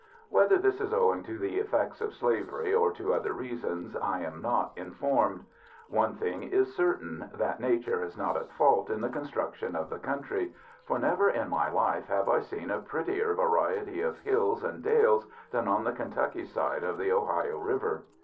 Whether this is owing to the effects of slavery, or to other reasons, I am not informed. One thing is certain that nature is not at fault in the construction of the country; for never in my life have I seen a prettier variety of hills and dales than on the Kentucky side of the Ohio River.